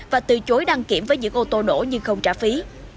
và từ chối đăng kiểm với những ô tô nổ nhưng không trả phí